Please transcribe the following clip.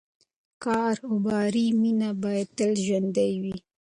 کاروباري مینه باید تل ژوندۍ وي.